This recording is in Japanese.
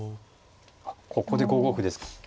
あっここで５五歩ですか。